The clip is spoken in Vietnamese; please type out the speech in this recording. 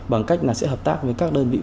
bằng cách là sẽ hợp tác với các đơn vị quốc tế